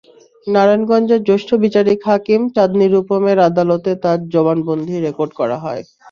নারায়ণগঞ্জের জ্যেষ্ঠ বিচারিক হাকিম চাঁদনী রূপমের আদালতে তাঁর জবানবন্দি রেকর্ড করা হয়।